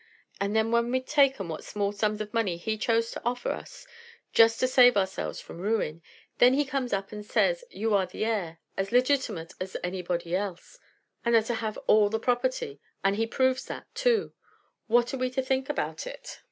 And then when we'd taken what small sums of money he chose to offer us, just to save ourselves from ruin, then he comes up and says you are the heir, as legitimate as anybody else, and are to have all the property. And he proves that too! What are we to think about it?"